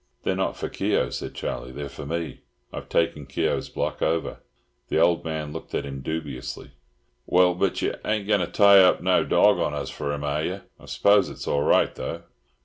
"They're not for Keogh," said Charlie. "They're for me. I've taken Keogh's block over." The old man looked at him dubiously. "Well, but y'aint goin' to tie hup no dorg on us for 'em, are yer? I s'pose it's all right, though?"